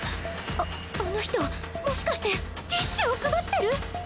ああの人もしかしてティッシュを配ってる！？